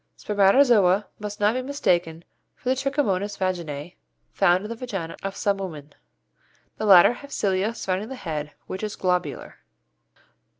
Spermatozoa must not be mistaken for the Trichomonas vaginæ found in the vaginæ of some women. The latter have cilia surrounding the head, which is globular.